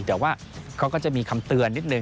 แต่ว่าเขาก็จะมีคำเตือนนิดนึ